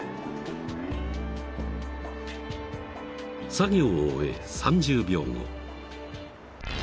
［作業を終え３０秒後］